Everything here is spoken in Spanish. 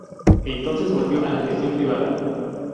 Entonces volvió a la gestión privada.